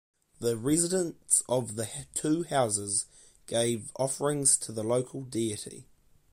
The residents of the two houses gave offerings to the local deity.